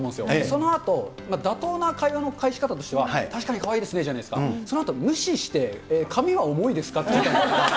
そのあと、妥当な会話の返し方としては、確かにかわいいですねじゃないですか、そのあと無視して、髪は重いですかって言ったんですよね。